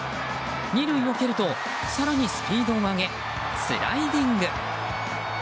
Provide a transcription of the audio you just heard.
２塁を蹴ると更にスピードを上げスライディング。